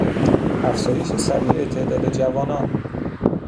افزایش سریع تعداد جوانان